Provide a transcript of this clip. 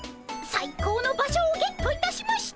最高の場所をゲットいたしました！